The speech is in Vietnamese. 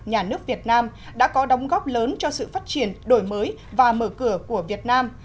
nhà nước việt nam đã có đóng góp lớn cho sự phát triển đổi mới và mở cửa của việt nam